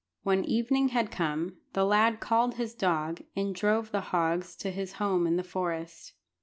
When evening had come, the lad called his dog, and drove the hogs to his home in the forest.